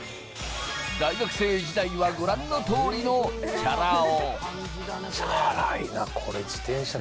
大学生時代はご覧の通りのチャラ男。